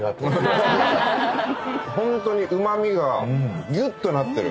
ホントにうま味がギュッとなってる。